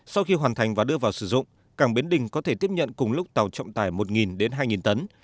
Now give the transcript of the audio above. sau khi hoàn thành và đưa vào sử dụng cảng bến đình có thể tiếp nhận cùng lúc tàu trọng tải một hai tấn